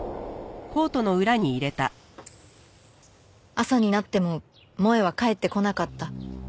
朝になっても萌絵は帰ってこなかった。